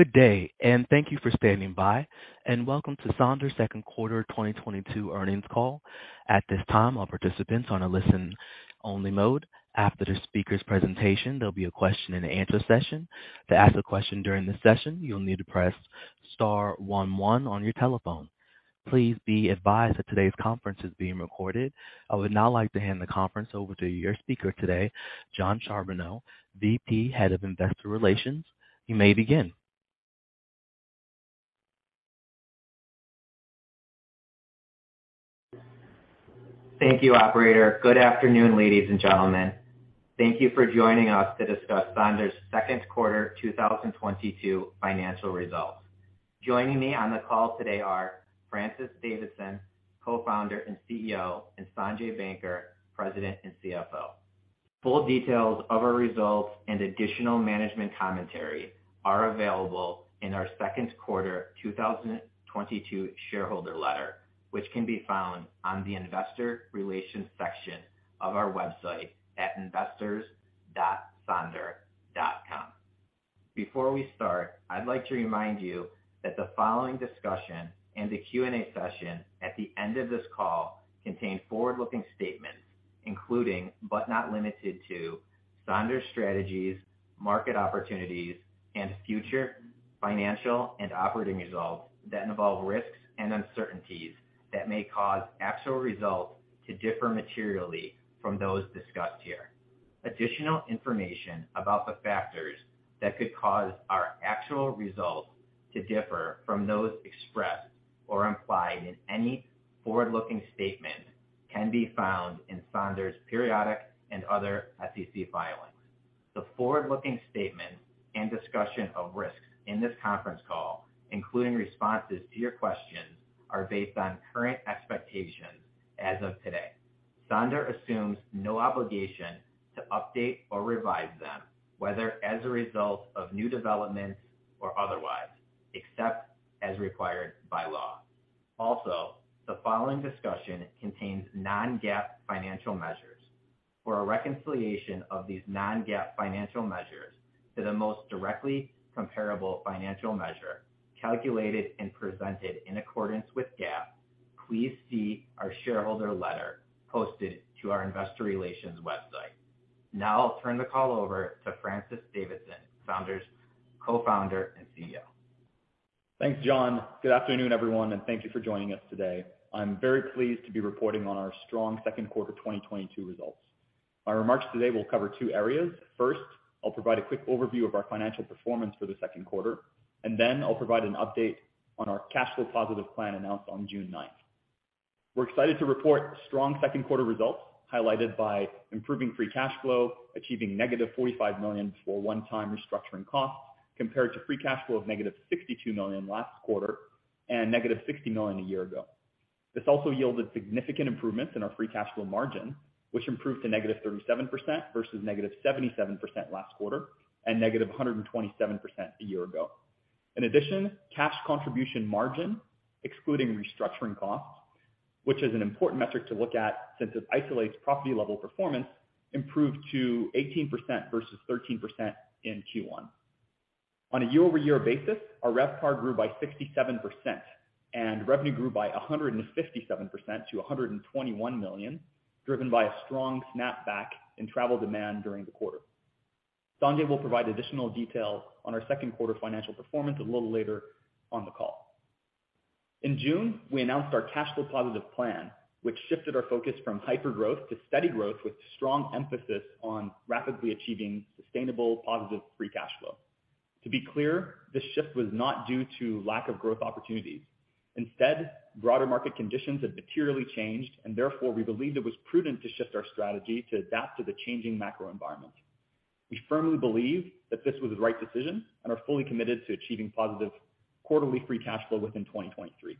Good day, and thank you for standing by, and welcome to Sonder's second quarter 2022 earnings call. At this time, all participants are on a listen-only mode. After the speaker's presentation, there'll be a question and answer session. To ask a question during the session, you'll need to press star one one on your telephone. Please be advised that today's conference is being recorded. I would now like to hand the conference over to your speaker today, Jon Charbonneau, VP, Head of Investor Relations. You may begin. Thank you, operator. Good afternoon, ladies and gentlemen. Thank you for joining us to discuss Sonder's second quarter 2022 financial results. Joining me on the call today are Francis Davidson, Co-Founder and CEO, and Sanjay Banker, President and CFO. Full details of our results and additional management commentary are available in our second quarter 2022 shareholder letter, which can be found on the investor relations section of our website at investors.sonder.com. Before we start, I'd like to remind you that the following discussion and the Q&A session at the end of this call contain forward-looking statements, including, but not limited to, Sonder's strategies, market opportunities, and future financial and operating results that involve risks and uncertainties that may cause actual results to differ materially from those discussed here. Additional information about the factors that could cause our actual results to differ from those expressed or implied in any forward-looking statement can be found in Sonder's periodic and other SEC filings. The forward-looking statements and discussion of risks in this conference call, including responses to your questions, are based on current expectations as of today. Sonder assumes no obligation to update or revise them, whether as a result of new developments or otherwise, except as required by law. Also, the following discussion contains Non-GAAP financial measures. For a reconciliation of these Non-GAAP financial measures to the most directly comparable financial measure, calculated and presented in accordance with GAAP, please see our shareholder letter posted to our investor relations website. Now I'll turn the call over to Francis Davidson, Co-Founder and CEO. Thanks, John. Good afternoon, everyone, and thank you for joining us today. I'm very pleased to be reporting on our strong second quarter 2022 results. My remarks today will cover two areas. First, I'll provide a quick overview of our financial performance for the second quarter, and then I'll provide an update on our cash flow positive plan announced on June 19th. We're excited to report strong second quarter results, highlighted by improving free cash flow, achieving -$45 million for one-time restructuring costs compared to free cash flow of -$62 million last quarter and -$60 million a year ago. This also yielded significant improvements in our free cash flow margin, which improved to -37% versus -77% last quarter and -127% a year ago. In addition, Cash Contribution Margin, excluding restructuring costs, which is an important metric to look at since it isolates property-level performance, improved to 18% versus 13% in Q1. On a year-over-year basis, our RevPAR grew by 67%, and revenue grew by 157% to $121 million, driven by a strong snapback in travel demand during the quarter. Sanjay will provide additional details on our second quarter financial performance a little later on the call. In June, we announced our cash flow positive plan, which shifted our focus from hypergrowth to steady growth with strong emphasis on rapidly achieving sustainable positive Free Cash Flow. To be clear, this shift was not due to lack of growth opportunities. Instead, broader market conditions have materially changed, and therefore, we believed it was prudent to shift our strategy to adapt to the changing macro environment. We firmly believe that this was the right decision and are fully committed to achieving positive quarterly Free Cash Flow within 2023.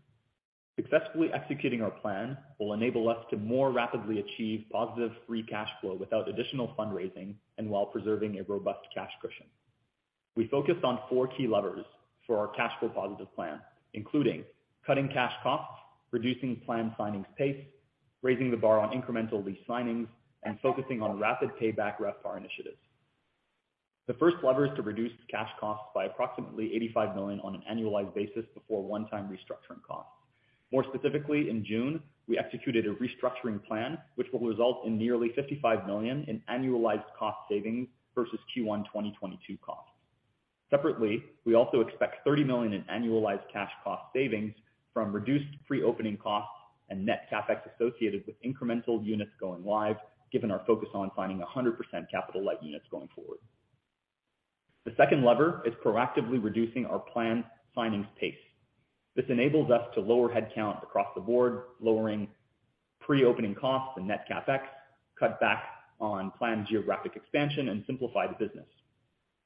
Successfully executing our plan will enable us to more rapidly achieve positive Free Cash Flow without additional fundraising and while preserving a robust cash cushion. We focused on four key levers for our cash flow positive plan, including cutting cash costs, reducing planned signings pace, raising the bar on incremental lease signings, and focusing on rapid payback RevPAR initiatives. The first lever is to reduce cash costs by approximately $85 million on an annualized basis before one-time restructuring costs. More specifically, in June, we executed a restructuring plan which will result in nearly $55 million in annualized cost savings versus Q1 2022 costs. Separately, we also expect $30 million in annualized cash cost savings from reduced pre-opening costs and net CapEx associated with incremental units going live, given our focus on finding 100% capital-light units going forward. The second lever is proactively reducing our planned signings pace. This enables us to lower headcount across the board, lowering pre-opening costs and net CapEx, cut back on planned geographic expansion, and simplify the business.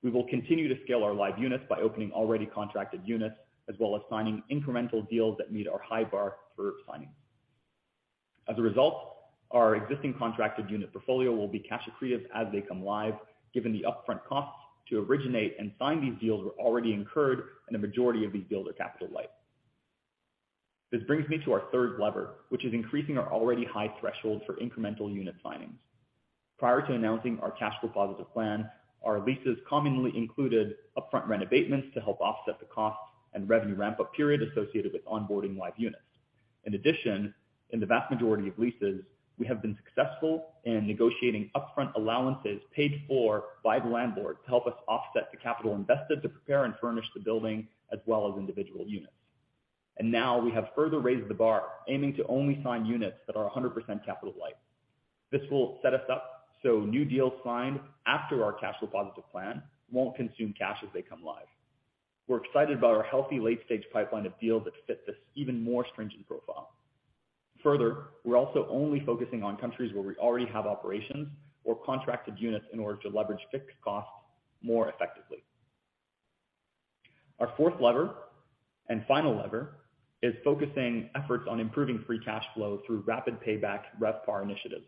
We will continue to scale our live units by opening already contracted units as well as signing incremental deals that meet our high bar for signings. As a result, our existing contracted unit portfolio will be cash accretive as they come live, given the upfront costs to originate and sign these deals were already incurred, and the majority of these deals are capital-light. This brings me to our third lever, which is increasing our already high threshold for incremental unit signings. Prior to announcing our cash flow positive plan, our leases commonly included upfront rent abatements to help offset the cost and revenue ramp-up period associated with onboarding live units. In addition, in the vast majority of leases, we have been successful in negotiating upfront allowances paid for by the landlord to help us offset the capital invested to prepare and furnish the building as well as individual units. Now we have further raised the bar, aiming to only sign units that are 100% capital-light. This will set us up so new deals signed after our cash flow positive plan won't consume cash as they come live. We're excited about our healthy late-stage pipeline of deals that fit this even more stringent profile. Further, we're also only focusing on countries where we already have operations or contracted units in order to leverage fixed costs more effectively. Our fourth lever and final lever is focusing efforts on improving Free Cash Flow through rapid payback RevPAR initiatives.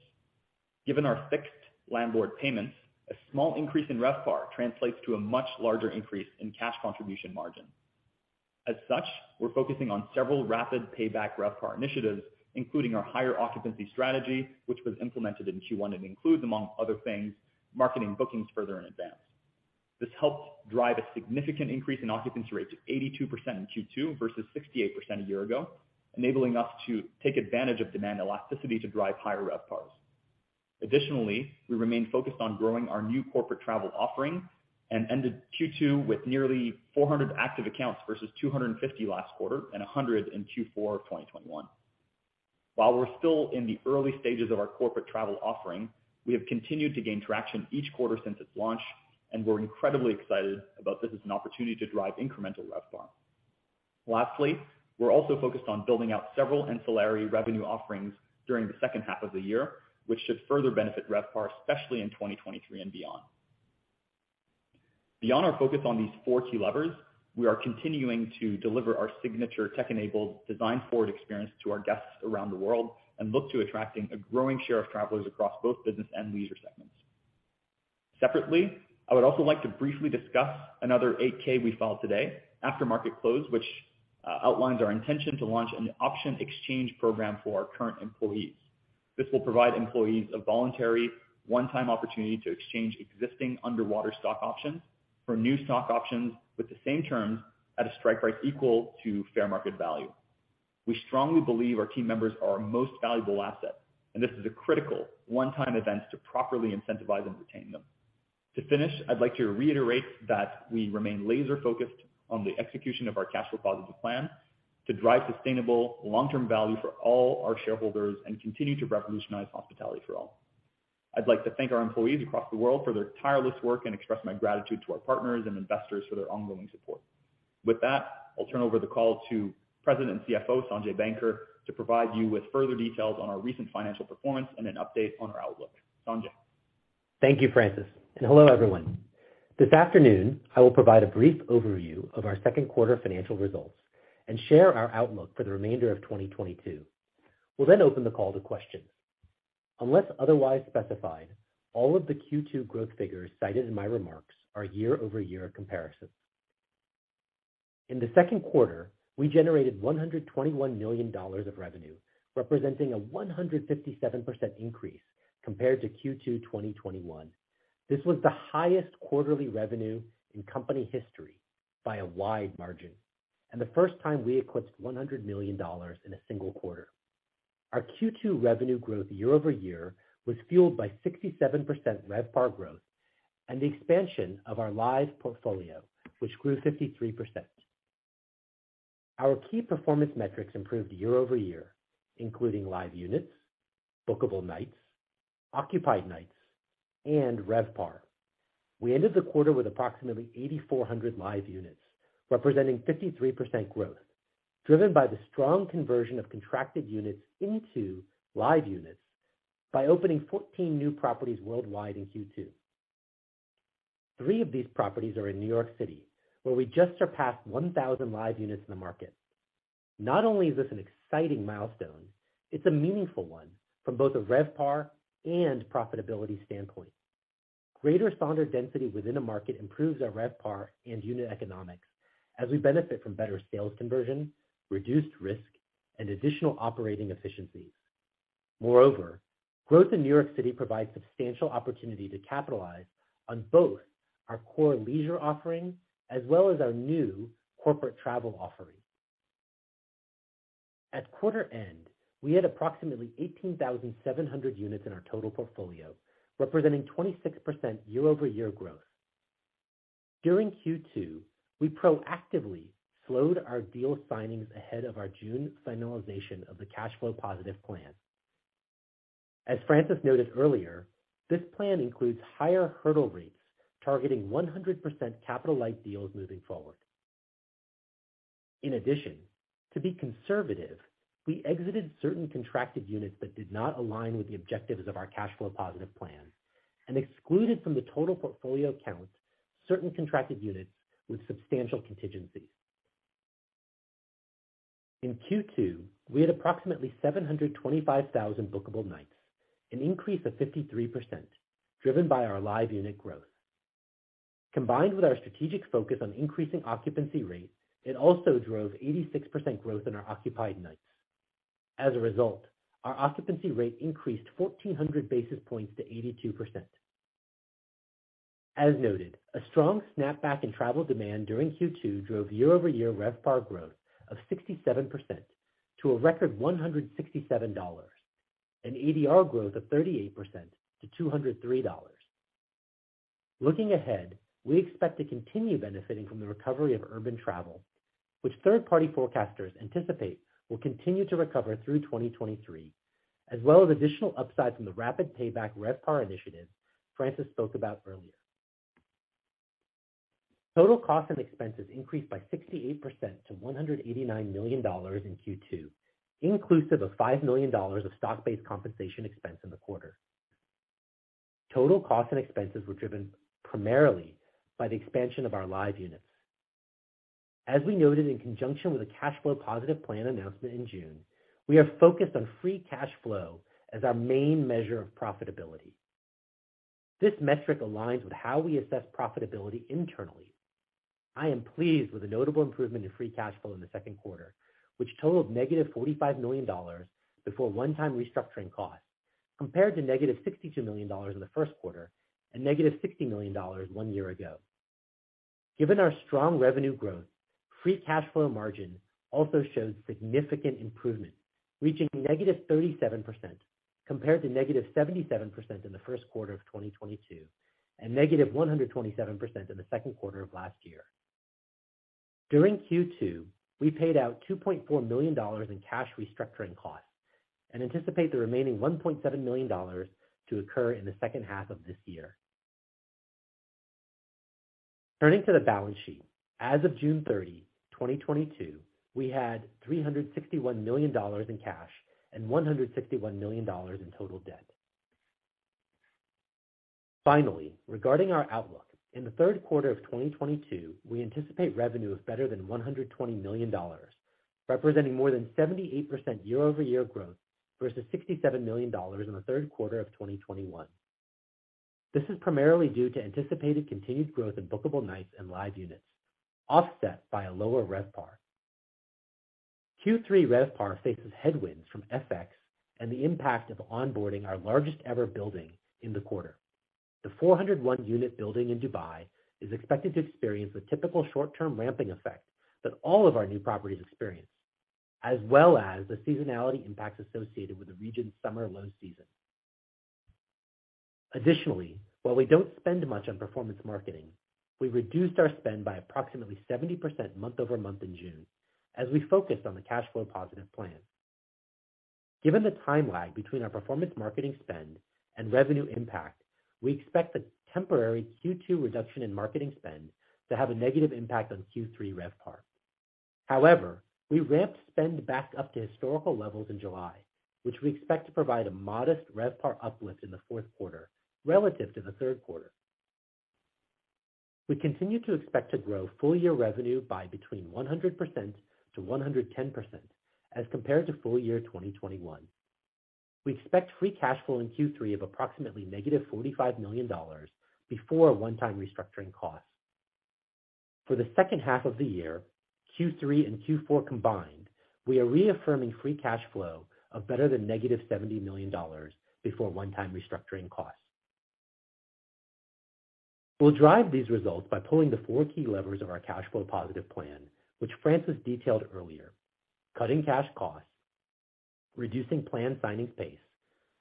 Given our fixed landlord payments, a small increase in RevPAR translates to a much larger increase in Cash Contribution Margin. As such, we're focusing on several rapid payback RevPAR initiatives, including our higher occupancy strategy, which was implemented in Q1 and includes, among other things, marketing bookings further in advance. This helped drive a significant increase in occupancy rate to 82% in Q2 versus 68% a year ago, enabling us to take advantage of demand elasticity to drive higher RevPARs. Additionally, we remain focused on growing our new corporate travel offering and ended Q2 with nearly 400 active accounts versus 250 last quarter and 100 in Q4 of 2021. While we're still in the early stages of our corporate travel offering, we have continued to gain traction each quarter since its launch, and we're incredibly excited about this as an opportunity to drive incremental RevPAR. Lastly, we're also focused on building out several ancillary revenue offerings during the second half of the year, which should further benefit RevPAR, especially in 2023 and beyond. Beyond our focus on these four key levers, we are continuing to deliver our signature tech-enabled, design forward experience to our guests around the world and look to attracting a growing share of travelers across both business and leisure segments. Separately, I would also like to briefly discuss another 8-K we filed today after market close, which outlines our intention to launch an option exchange program for our current employees. This will provide employees a voluntary one-time opportunity to exchange existing underwater stock options for new stock options with the same terms at a strike price equal to fair market value. We strongly believe our team members are our most valuable asset, and this is a critical one-time event to properly incentivize and retain them. To finish, I'd like to reiterate that we remain laser-focused on the execution of our cash flow positive plan to drive sustainable long-term value for all our shareholders and continue to revolutionize hospitality for all. I'd like to thank our employees across the world for their tireless work and express my gratitude to our partners and investors for their ongoing support. With that, I'll turn over the call to President and CFO, Sanjay Banker, to provide you with further details on our recent financial performance and an update on our outlook. Sanjay. Thank you, Francis, and hello, everyone. This afternoon, I will provide a brief overview of our second quarter financial results and share our outlook for the remainder of 2022. We'll then open the call to questions. Unless otherwise specified, all of the Q2 growth figures cited in my remarks are year-over-year comparisons. In the second quarter, we generated $121 million of revenue, representing a 157% increase compared to Q2 2021. This was the highest quarterly revenue in company history by a wide margin and the first time we exceeded $100 million in a single quarter. Our Q2 revenue growth year-over-year was fueled by 67% RevPAR growth and the expansion of our live portfolio, which grew 53%. Our key performance metrics improved year-over-year, including live units, bookable nights, occupied nights, and RevPAR. We ended the quarter with approximately 8,400 live units, representing 53% growth, driven by the strong conversion of contracted units into live units by opening 14 new properties worldwide in Q2. Three of these properties are in New York City, where we just surpassed 1,000 live units in the market. Not only is this an exciting milestone, it's a meaningful one from both a RevPAR and profitability standpoint. Greater standard density within a market improves our RevPAR and unit economics as we benefit from better sales conversion, reduced risk, and additional operating efficiencies. Moreover, growth in New York City provides substantial opportunity to capitalize on both our core leisure offering as well as our new corporate travel offering. At quarter end, we had approximately 18,700 units in our total portfolio, representing 26% year-over-year growth. During Q2, we proactively slowed our deal signings ahead of our June finalization of the cash flow positive plan. As Francis noted earlier, this plan includes higher hurdle rates targeting 100% capital-light deals moving forward. In addition, to be conservative, we exited certain contracted units that did not align with the objectives of our cash flow positive plan and excluded from the total portfolio count certain contracted units with substantial contingencies. In Q2, we had approximately 725,000 bookable nights, an increase of 53%, driven by our live unit growth. Combined with our strategic focus on increasing occupancy rate, it also drove 86% growth in our occupied nights. As a result, our occupancy rate increased 1,400 basis points to 82%. As noted, a strong snapback in travel demand during Q2 drove year-over-year RevPAR growth of 67% to a record $167, an ADR growth of 38% to $203. Looking ahead, we expect to continue benefiting from the recovery of urban travel, which third-party forecasters anticipate will continue to recover through 2023, as well as additional upside from the rapid payback RevPAR initiative Francis spoke about earlier. Total costs and expenses increased by 68% to $189 million in Q2, inclusive of $5 million of stock-based compensation expense in the quarter. Total costs and expenses were driven primarily by the expansion of our live units. As we noted in conjunction with a cash flow positive plan announcement in June, we are focused on free cash flow as our main measure of profitability. This metric aligns with how we assess profitability internally. I am pleased with the notable improvement in Free Cash Flow in the second quarter, which totaled -$45 million before one-time restructuring costs, compared to -$62 million in the first quarter and -$60 million one year ago. Given our strong revenue growth, Free Cash Flow Margin also showed significant improvement, reaching -37% compared to -77% in the first quarter of 2022 and -127% in the second quarter of last year. During Q2, we paid out $2.4 million in cash restructuring costs and anticipate the remaining $1.7 million to occur in the second half of this year. Turning to the balance sheet. As of June 30th, 2022, we had $361 million in cash and $161 million in total debt. Finally, regarding our outlook, in Q3 2022, we anticipate revenue of better than $120 million, representing more than 78% year-over-year growth versus $67 million in Q3 2021. This is primarily due to anticipated continued growth in bookable nights and live units, offset by a lower RevPAR. Q3 RevPAR faces headwinds from FX and the impact of onboarding our largest ever building in the quarter. The 401-unit building in Dubai is expected to experience the typical short-term ramping effect that all of our new properties experience, as well as the seasonality impacts associated with the region's summer low season. Additionally, while we don't spend much on performance marketing, we reduced our spend by approximately 70% month-over-month in June as we focused on the cash flow positive plan. Given the time lag between our performance marketing spend and revenue impact, we expect the temporary Q2 reduction in marketing spend to have a negative impact on Q3 RevPAR. However, we ramped spend back up to historical levels in July, which we expect to provide a modest RevPAR uplift in the fourth quarter relative to the third quarter. We continue to expect to grow full year revenue by between 100%-110% as compared to full year 2021. We expect free cash flow in Q3 of approximately -$45 million before one-time restructuring costs. For the second half of the year, Q3 and Q4 combined, we are reaffirming free cash flow of better than -$70 million before one-time restructuring costs. We'll drive these results by pulling the four key levers of our cash flow positive plan, which Francis detailed earlier, cutting cash costs, reducing plan signings pace,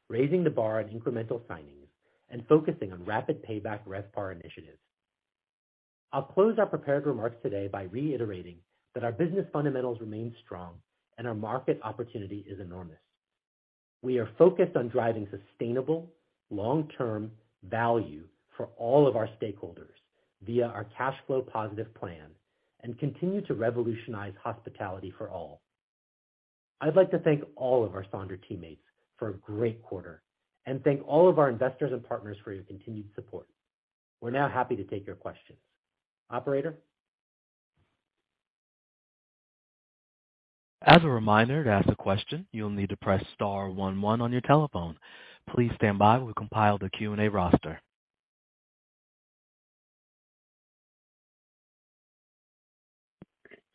raising the bar on incremental signings, and focusing on rapid payback RevPAR initiatives. I'll close our prepared remarks today by reiterating that our business fundamentals remain strong and our market opportunity is enormous. We are focused on driving sustainable long-term value for all of our stakeholders via our cash flow positive plan and continue to revolutionize hospitality for all. I'd like to thank all of our Sonder teammates for a great quarter and thank all of our investors and partners for your continued support. We're now happy to take your questions. Operator? As a reminder, to ask a question, you'll need to press star one one on your telephone. Please stand by while we compile the Q&A roster.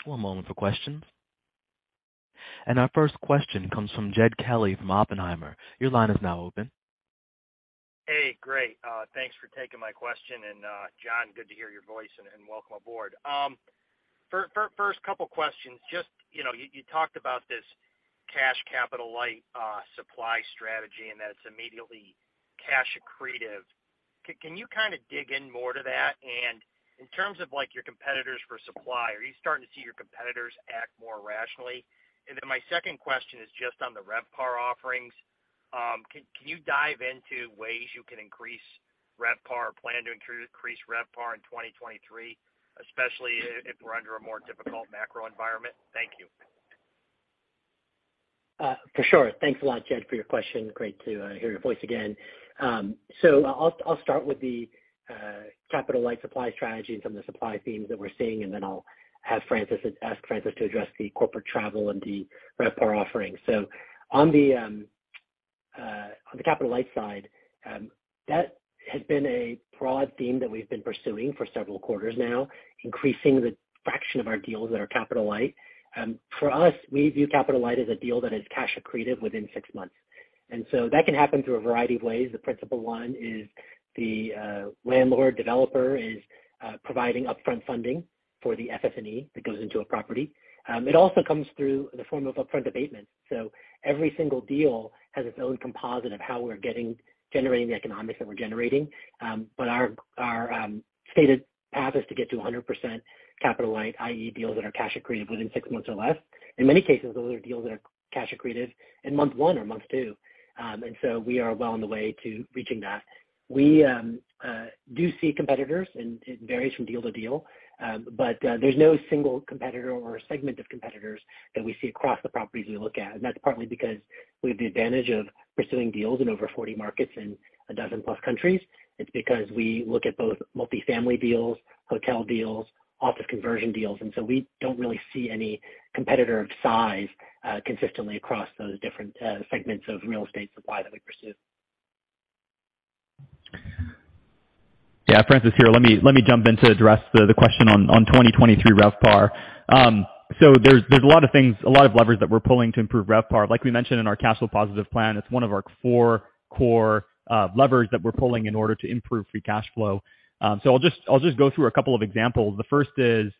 One moment for questions. Our first question comes from Jed Kelly from Oppenheimer. Your line is now open. Hey, great. Thanks for taking my question. Jon, good to hear your voice and welcome aboard. First couple questions. Just, you know, you talked about this cash, capital-light supply strategy and that it's immediately cash accretive. Can you kind of dig in more to that? In terms of like your competitors for supply, are you starting to see your competitors act more rationally? Then my second question is just on the RevPAR offerings. Can you dive into ways you can increase RevPAR or plan to increase RevPAR in 2023, especially if we're under a more difficult macro environment? Thank you. For sure. Thanks a lot, Jed, for your question. Great to hear your voice again. I'll start with the capital-light supply strategy and some of the supply themes that we're seeing, and then I'll ask Francis to address the corporate travel and the RevPAR offerings. On the capital-light side, that has been a broad theme that we've been pursuing for several quarters now, increasing the fraction of our deals that are capital-light. For us, we view capital-light as a deal that is cash accretive within six months. That can happen through a variety of ways. The principal one is the landlord developer is providing upfront funding for the FF&E that goes into a property. It also comes through the form of upfront abatement. Every single deal has its own composite of how we're generating the economics that we're generating. Our stated path is to get to 100% capital-light, i.e. deals that are cash accretive within six months or less. In many cases, those are deals that are cash accretive in month one or month two. We are well on the way to reaching that. We do see competitors, and it varies from deal to deal. There's no single competitor or segment of competitors that we see across the properties we look at. That's partly because we have the advantage of pursuing deals in over 40 markets in a 12+ countries. It's because we look at both multifamily deals, hotel deals, office conversion deals, and so we don't really see any competitor of size, consistently across those different, segments of real estate supply that we pursue. Yeah. Francis here. Let me jump in to address the question on 2023 RevPAR. There's a lot of things, a lot of levers that we're pulling to improve RevPAR. Like we mentioned in our cash flow positive plan, it's one of our four core levers that we're pulling in order to improve Free Cash Flow. I'll just go through a couple of examples. The first is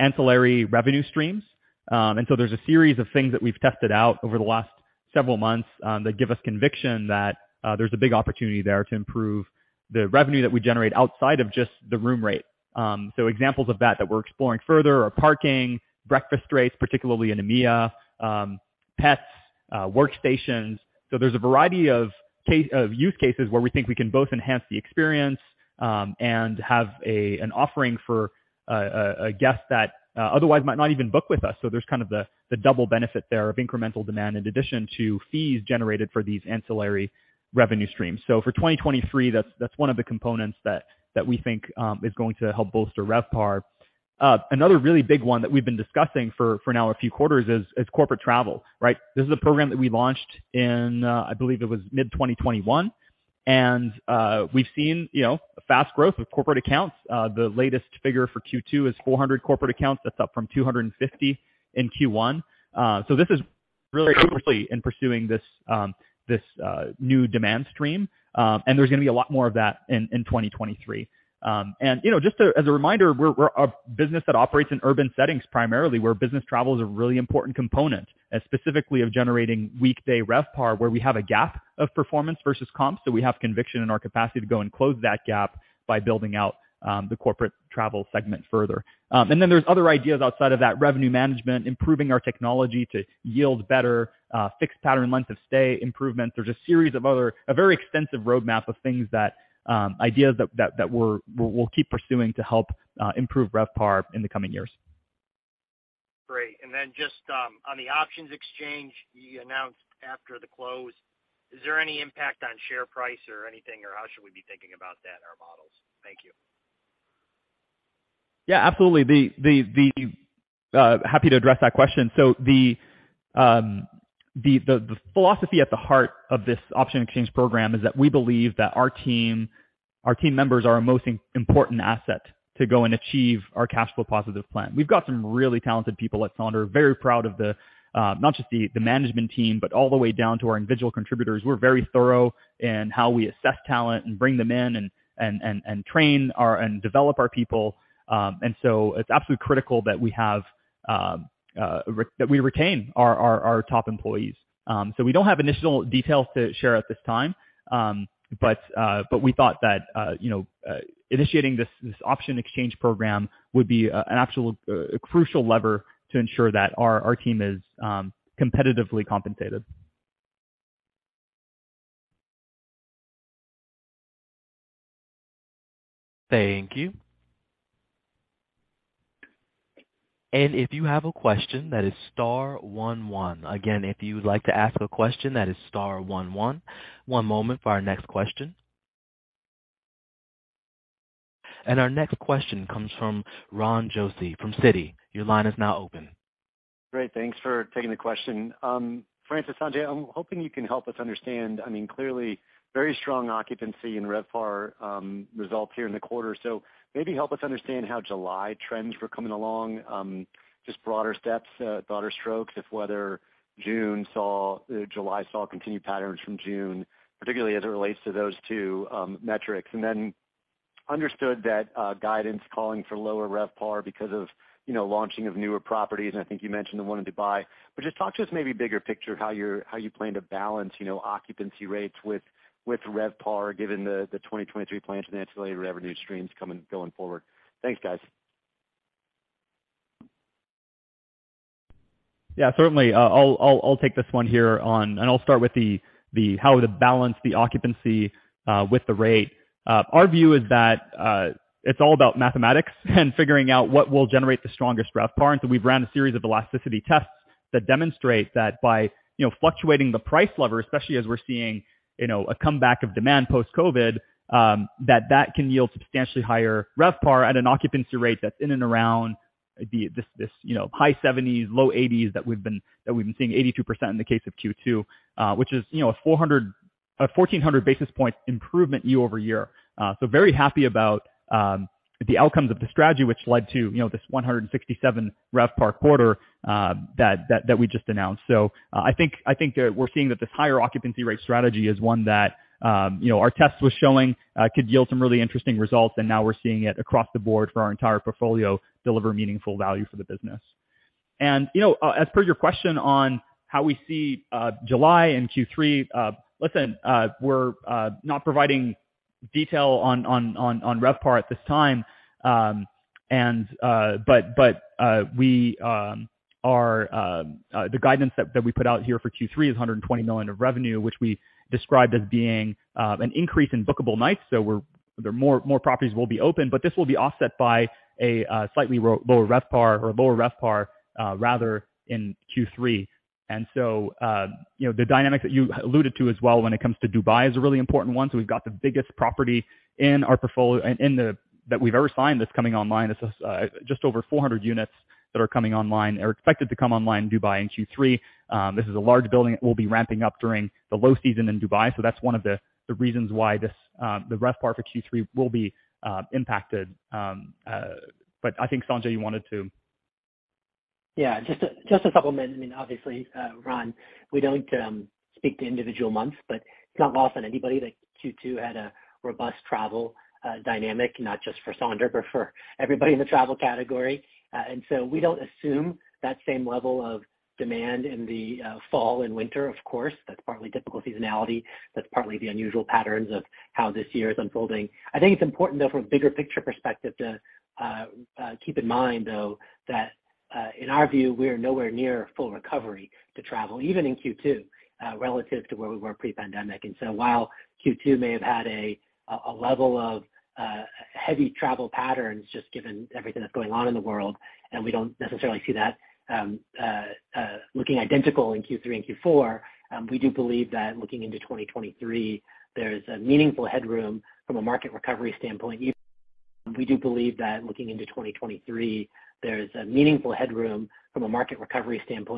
ancillary revenue streams. There's a series of things that we've tested out over the last several months that give us conviction that there's a big opportunity there to improve the revenue that we generate outside of just the room rate. Examples of that that we're exploring further are parking, breakfast rates, particularly in EMEA, pets, workstations. There's a variety of use cases where we think we can both enhance the experience and have an offering for a guest that otherwise might not even book with us. There's kind of the double benefit there of incremental demand in addition to fees generated for these ancillary revenue streams. For 2023, that's one of the components that we think is going to help bolster RevPAR. Another really big one that we've been discussing for now a few quarters is corporate travel, right? This is a program that we launched in, I believe it was mid-2021, and we've seen, you know, fast growth of corporate accounts. The latest figure for Q2 is 400 corporate accounts. That's up from 250 in Q1. This is really in pursuing this new demand stream. There's gonna be a lot more of that in 2023. You know, just as a reminder, we're a business that operates in urban settings primarily, where business travel is a really important component, as specifically of generating weekday RevPAR, where we have a gap of performance versus comp. We have conviction in our capacity to go and close that gap by building out the corporate travel segment further. Then there's other ideas outside of that revenue management, improving our technology to yield better fixed pattern length of stay improvements. There's a series of other a very extensive roadmap of things that ideas that we'll keep pursuing to help improve RevPAR in the coming years. Great. Just on the options exchange you announced after the close, is there any impact on share price or anything, or how should we be thinking about that in our models? Thank you. Yeah, absolutely. Happy to address that question. The philosophy at the heart of this option exchange program is that we believe that our team members are our most important asset to go and achieve our cash flow positive plan. We've got some really talented people at Sonder. Very proud of, not just the management team, but all the way down to our individual contributors. We're very thorough in how we assess talent and bring them in and train and develop our people. It's absolutely critical that we retain our top employees. We don't have initial details to share at this time. We thought that you know initiating this option exchange program would be an absolutely crucial lever to ensure that our team is competitively compensated. Thank you. If you have a question, that is star one one. Again, if you would like to ask a question, that is star one one. One moment for our next question. Our next question comes from Ronald Josey from Citi. Your line is now open. Great. Thanks for taking the question. Francis, Sanjay, I'm hoping you can help us understand, I mean, clearly very strong occupancy in RevPAR, results here in the quarter. Maybe help us understand how July trends were coming along, just broader strokes, whether July saw continued patterns from June, particularly as it relates to those two, metrics. Understood that, guidance calling for lower RevPAR because of, you know, launching of newer properties, and I think you mentioned the one in Dubai. Just talk to us maybe bigger picture, how you plan to balance, you know, occupancy rates with RevPAR, given the 2023 plans and the ancillary revenue streams coming going forward. Thanks, guys. Yeah, certainly. I'll take this one here on, and I'll start with the how to balance the occupancy with the rate. Our view is that it's all about mathematics and figuring out what will generate the strongest RevPAR. We've ran a series of elasticity tests that demonstrate that by, you know, fluctuating the price lever, especially as we're seeing, you know, a comeback of demand post-COVID, that can yield substantially higher RevPAR at an occupancy rate that's in and around. It'd be this, you know, high 70s, low 80s that we've been seeing 82% in the case of Q2, which is, you know, a 1,400 basis points improvement year-over-year. Very happy about the outcomes of the strategy which led to, you know, this 167 RevPAR quarter that we just announced. I think that we're seeing that this higher occupancy rate strategy is one that, you know, our test was showing could yield some really interesting results, and now we're seeing it across the board for our entire portfolio deliver meaningful value for the business. You know, as per your question on how we see July and Q3, listen, we're not providing detail on RevPAR at this time. But we are the guidance that we put out here for Q3 is $120 million of revenue, which we described as being an increase in bookable nights. more properties will be open, but this will be offset by a slightly lower RevPAR or lower RevPAR, rather, in Q3. You know, the dynamics that you alluded to as well when it comes to Dubai is a really important one. We've got the biggest property in our portfolio that we've ever signed that's coming online. It's just over 400 units that are coming online or expected to come online in Dubai in Q3. This is a large building. It will be ramping up during the low season in Dubai. That's one of the reasons why this, the RevPAR for Q3 will be impacted. But I think, Sanjay, you wanted to. Yeah, just to supplement, I mean, obviously, Ron, we don't speak to individual months, but it's not lost on anybody that Q2 had a robust travel dynamic, not just for Sonder, but for everybody in the travel category. We don't assume that same level of demand in the fall and winter, of course. That's partly typical seasonality. That's partly the unusual patterns of how this year is unfolding. I think it's important, though, from a bigger picture perspective to keep in mind, though, that in our view, we are nowhere near a full recovery to travel, even in Q2, relative to where we were pre-pandemic. While Q2 may have had a level of heavy travel patterns, just given everything that's going on in the world, and we don't necessarily see that looking identical in Q3 and Q4, we do believe that looking into 2023, there's a meaningful headroom from a market recovery standpoint,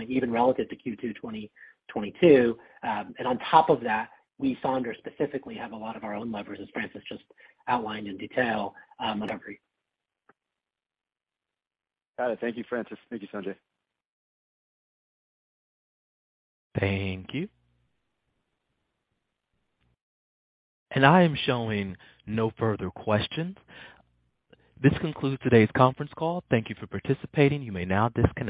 even relative to Q2 2022. On top of that, we, Sonder specifically, have a lot of our own levers, as Francis just outlined in detail, on every. Got it. Thank you, Francis. Thank you, Sanjay. Thank you. I am showing no further questions. This concludes today's conference call. Thank you for participating. You may now disconnect.